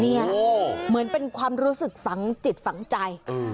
เหมือนเป็นความรู้สึกฝังจิตฝังใจ